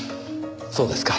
そうですか。